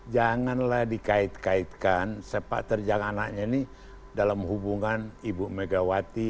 janganlah dikait kaitkan sepak terjang anaknya ini dalam hubungan ibu megawati